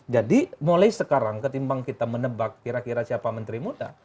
jadi mulai sekarang ketimbang kita menebak kira kira siapa menteri muda